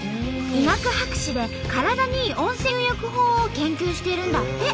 医学博士で体にいい温泉入浴法を研究してるんだって。